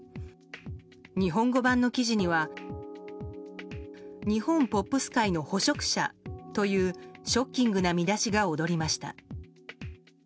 日本語版の記事には「日本ポップス界の捕食者」というショッキングな見出しが躍りました。